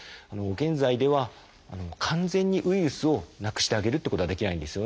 現在では完全にウイルスをなくしてあげるってことはできないんですよね。